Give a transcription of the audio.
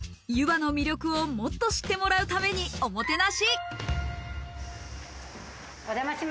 営業部長の狐塚さんがゆばの魅力をもっと知ってもらうために、おもてなし。